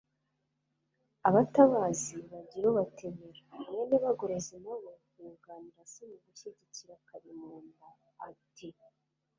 Abatabazi bagira ubatemera,” mwene Bagorozi na we yunganira se mu gushyigikira Kalimunda ati